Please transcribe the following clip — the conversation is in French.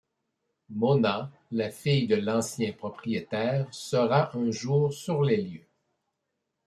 Mona, la fille de l'ancien propriétaire, se rend un jour sur les lieux.